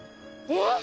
えっ？